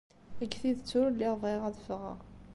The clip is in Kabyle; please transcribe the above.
Deg tidet, ur lliɣ bɣiɣ ad ffɣeɣ.